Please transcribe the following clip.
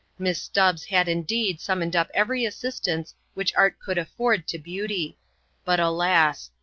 Miss Stubbs had indeed summoned up every assistance which art could afford to beauty; but, alas!